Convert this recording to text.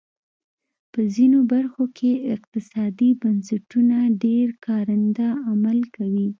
په ځینو برخو کې اقتصادي بنسټونه ډېر کارنده عمل کوي.